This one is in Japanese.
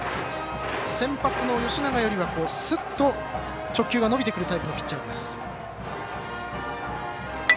先発の吉永よりはすっと直球が伸びてくるタイプのピッチャー。